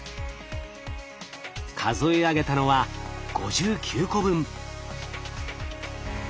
数え上げたのは５９個分。